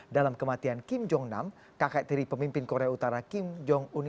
dalam kematian kim jong nam kakek tiri pemimpin korea utara kim jong uni